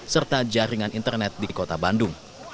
serta jaringan internet di kota bandung